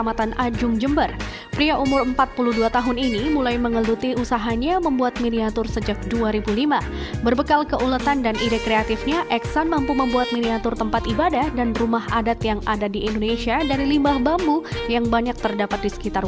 miniatur limbah bambu